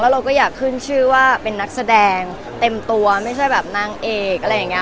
เราก็อยากขึ้นชื่อว่าเป็นนักแสดงเต็มตัวไม่ใช่แบบนางเอกอะไรอย่างนี้